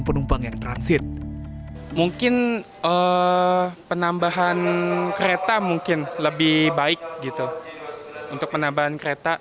penumpang yang transit mungkin penambahan kereta mungkin lebih baik gitu untuk penambahan kereta